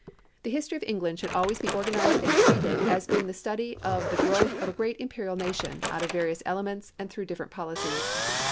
The history of England should always be organized and treated as being the study of the growth of a great imperial nation out of various elements and through different policies.